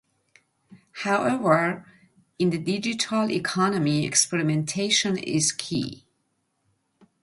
However, in the digital economy, experimentation is key.